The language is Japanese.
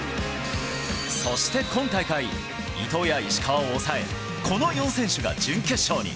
そして今大会、伊藤や石川を抑え、この４選手が準決勝に。